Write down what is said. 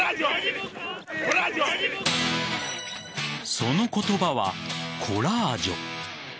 その言葉はコラージョ。